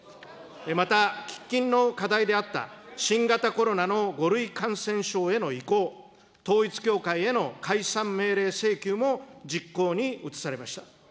また、喫緊の課題であった新型コロナの５類感染症への移行、統一教会への解散命令請求も実行に移されました。